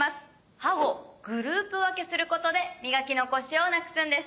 歯をグループ分けする事で磨き残しをなくすんです。